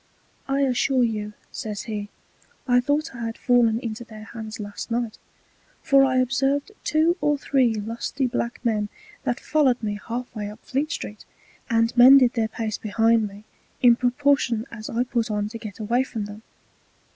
I assure you, says he, I thought I had fallen into their Hands last Night; for I observed two or three lusty black Men that follow'd me half way up Fleet street, and mended their pace behind me, in proportion as I put on to get away from them.